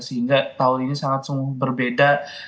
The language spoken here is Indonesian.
sehingga tahun ini sangat sungguh berbeda